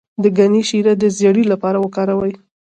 د ګني شیره د زیړي لپاره وکاروئ